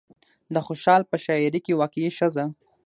د خوشال په شاعرۍ کې واقعي ښځه